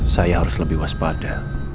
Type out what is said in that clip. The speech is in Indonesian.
saya harus lebih waspada